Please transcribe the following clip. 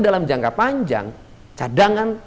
dalam jangka panjang cadangan